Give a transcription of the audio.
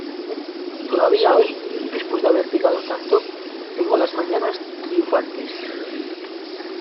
todavía hoy, después de haber pecado tanto , tengo las mañanas triunfantes